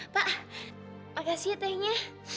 pak makasih ya tehnya